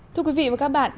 thưa quý vị và các bạn